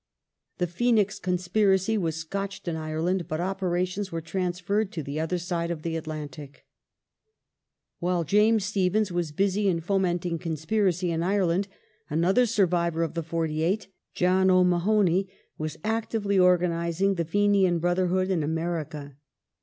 The Phoenix conspiracy was scotched in Ireland, but operations were transferred to the other side of the Atlantic. The Irish While James Stephens was busy in fomenting conspiracy in cans Ireland, another survivoi* of the '48, John O'Mahony, was actively organizing the Fenian Brotherhood in America.